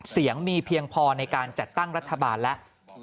เสียงมีเพียงพอในการจัดตั้งรัฐบาลแล้ว